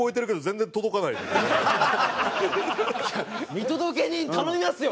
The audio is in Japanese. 見届け人頼みますよ！